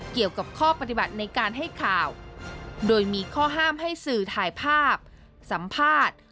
เกี่ยวกับข้อปฏิบัติในการให้ข่าวโดยมีข้อห้ามให้สื่อถ่ายภาพสัมภาษณ์